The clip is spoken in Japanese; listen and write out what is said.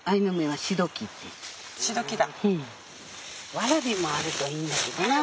ワラビもあるといいんだけどな。